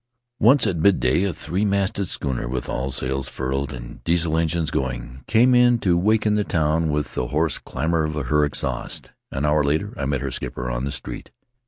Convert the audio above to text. Once, at midday, a three masted schooner with all sails furled and Diesel engines going, came in to waken the town with the hoarse clamor of her exhaust. An hour later I met her skipper on the street.